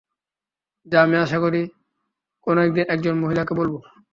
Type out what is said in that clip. যা আমি আশা করি কোন এক দিন একজন মহিলাকে বলব।